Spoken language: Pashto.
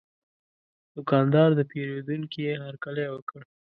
دوکاندار د پیرودونکي هرکلی وکړ.